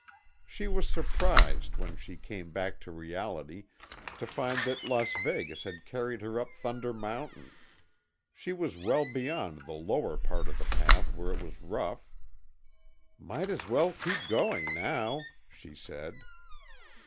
She was surprised, when she came back to reality, to find that Las Vegas had carried her up Thunder Mountain. She was well beyond the lower part of the path where it was rough. "Might as well keep going now," she said.